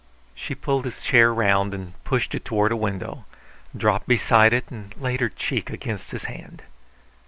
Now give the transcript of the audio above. She pulled his chair round and pushed it toward a window, dropped beside it and laid her cheek against his hand.